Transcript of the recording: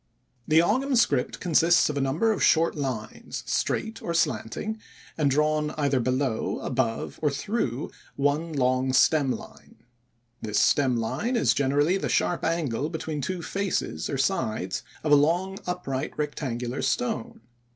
The Ogam script consists of a number of short lines straight or slanting, and drawn either below, above, or through one long stem line. This stem line is generally the sharp angle between two faces or sides of a long upright rectangular stone.